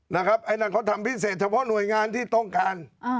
ไอ้นั่นเขาทำพิเศษเฉพาะหน่วยงานที่ต้องการ